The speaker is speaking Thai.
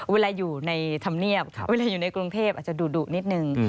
เวลาอยู่ในธรรมเนียบเวลาอยู่ในกรุงเทพอาจจะดุนิดนึง